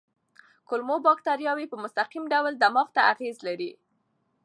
کولمو بکتریاوې په مستقیم ډول دماغ ته اغېز لري.